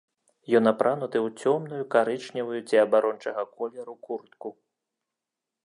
Ён апрануты ў цёмную карычневую ці абарончага колеру куртку.